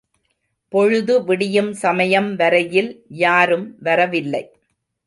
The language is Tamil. பொழுது விடியும் சமயம் வரையில் யாரும் வரவில்லை.